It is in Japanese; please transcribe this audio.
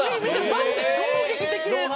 マジで衝撃的映像。